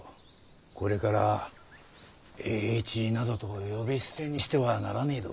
これから栄一などと呼び捨てにしてはならねぇど。